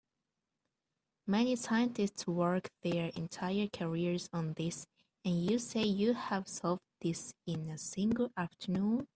Many scientists work their entire careers on this, and you say you have solved this in a single afternoon?